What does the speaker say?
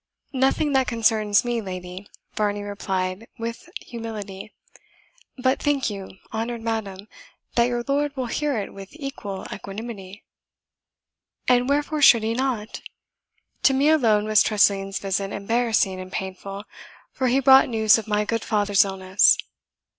"Nothing that concerns me, lady," Varney replied with humility. "But, think you, honoured madam, that your lord will hear it with equal equanimity?" "And wherefore should he not? To me alone was Tressilian's visit embarrassing and painful, for he brought news of my good father's illness."